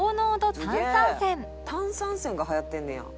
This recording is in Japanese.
「炭酸泉がはやってんねや」